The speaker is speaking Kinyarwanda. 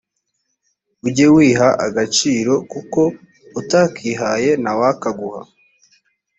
ujye wiha agaciro kuko utakihaye ntawakaguha